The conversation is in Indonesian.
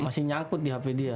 masih nyangkut di hp dia